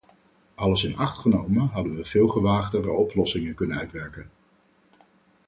Alles in acht genomen hadden we veel gewaagder oplossingen kunnen uitwerken.